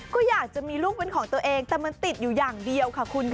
ก็อยากจะมีลูกเป็นของตัวเองแต่มันติดอยู่อย่างเดียวค่ะคุณค่ะ